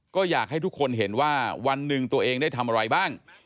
ก็อยากให้ทุกคนเห็นว่าวันหนึ่งตัวเองได้ทำอะไรบ้าง